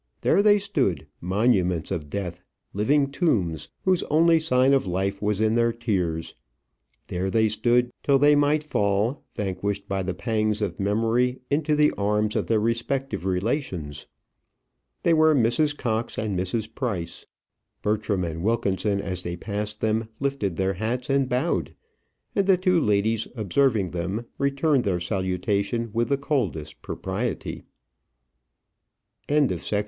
There they stood, monuments of death, living tombs, whose only sign of life was in their tears. There they stood, till they might fall, vanquished by the pangs of memory, into the arms of their respective relations. They were Mrs. Cox and Mrs. Price. Bertram and Wilkinson, as they passed them, lifted their hats and bowed, and the two ladies observing them, returned their salutation with the coldest propriety. CHAPTER XI. I COULD PUT A CODICIL.